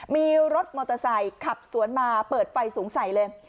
มีรถมอเตอร์ไซค์ขับสวนมาเปิดไฟสูงใสเลย